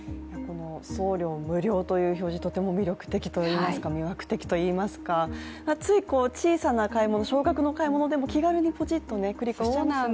送料無料という表示、とても魅力的といいますか、魅惑的と言いますか、つい小さな買い物、少額の買い物でも気軽にポチッとクリックしちゃいますよね。